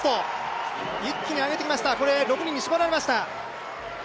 一気に上げてきました、６人に絞られました。